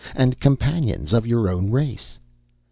And companionss of yourr own rrace."